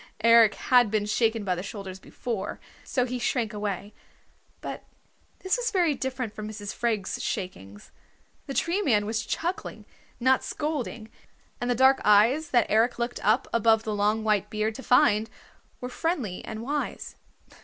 Eric had been shaken by the shoulders before, so he shrank away. But this was very different from Mrs. Freg's shakings. The Tree Man was chuckling, not scolding, and the dark eyes that Eric looked up above the long white beard to find were friendly and wise.